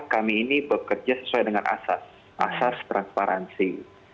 kami ini bekerja sesuai dengan asas asas transparansi